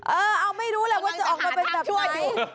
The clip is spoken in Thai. เออเอาไม่รู้แหละว่าจะออกมาเป็นแบบไหน